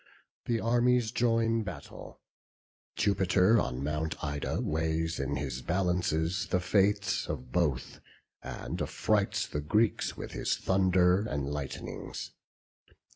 The armies join battle; Jupiter on Mount Ida weighs in his balances the fates of both, and affrights the Greeks with his thunders and lightnings.